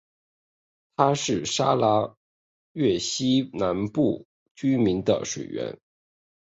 它是沙拉越西南部居民的水源。